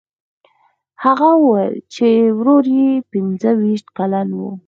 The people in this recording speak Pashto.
هغه وویل چې ورور یې پنځه ویشت کلن و.